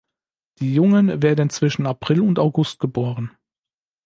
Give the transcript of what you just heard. Die Jungen werden zwischen April und August geboren.